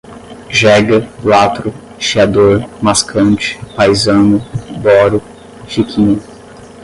jega, latro, chiador, mascante, paizano, boro, chiquinha